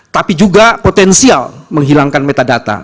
tapi juga potensial menghilangkan metadata